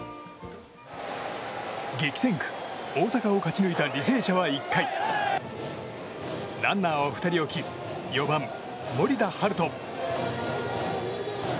激戦区、大阪を勝ち抜いた履正社は１回ランナーを２人置き４番、森田大翔。